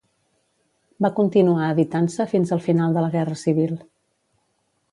Va continuar editant-se fins al final de la Guerra civil.